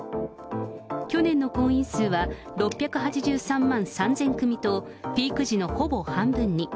去年の婚姻数は、６８３万３０００組と、ピーク時のほぼ半分に。